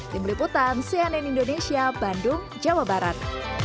di meliputan cnn indonesia bandung jawa barat